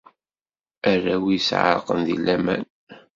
Arraw-is εerqen deg laman.